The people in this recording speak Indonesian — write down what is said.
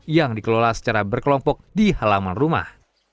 yang dikelola secara berkelompok di halaman rumah